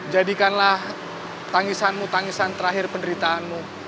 jadikanlah tangisanmu tangisan terakhir penderitaanmu